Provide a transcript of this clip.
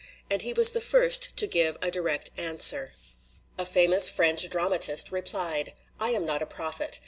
And he was the first to give a direct answer. A famous French dramatist replied : "I am not a prophet.